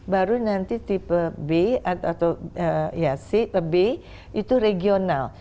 baru nanti tipe b atau c b itu regional